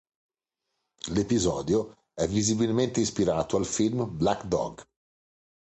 L'episodio è visibilmente ispirato al film Black Dog.